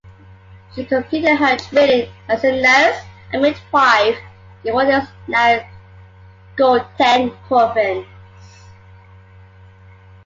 She completed her training as a nurse and midwife in what is now Gauteng Province.